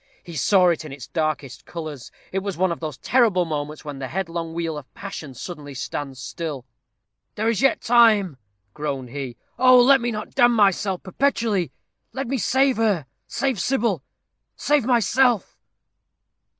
He saw it in its darkest colors. It was one of those terrible moments when the headlong wheel of passion stands suddenly still. "There is yet time," groaned he. "Oh! let me not damn myself perpetually! Let me save her; save Sybil; save myself."